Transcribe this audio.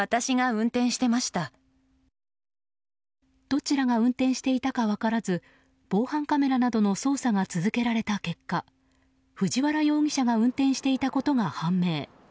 どちらが運転していたか分からず防犯カメラなどの捜査が続けられた結果藤原容疑者が運転していたことが判明。